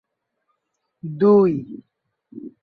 ব্রিটিশরা সাঁওতালদের থেকে রাজস্ব আদায় করা শুরু করে।